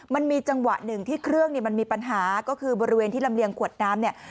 มันมีจังหวะหนึ่งที่เครื่องเนี่ยมันมีปัญหาก็คือบริเวณที่ลำเลียงขวดน้ำเนี่ย